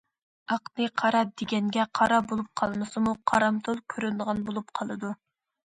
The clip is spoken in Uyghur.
‹‹ ئاقنى قارا دېگەنگە قارا بولۇپ قالمىسىمۇ، قارامتۇل كۆرۈنىدىغان بولۇپ قالىدۇ››.